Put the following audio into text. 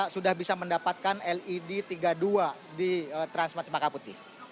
sudah bisa mendapatkan led tiga puluh dua di transmart cemaka putih